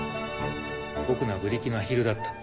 僕のはブリキのアヒルだった。